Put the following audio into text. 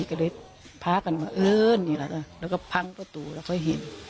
ก็เลยพร้าว์กันมาเอิ้นเหียงหลังกะแล้วก็พังตัวตัวแล้วค่อยเห็น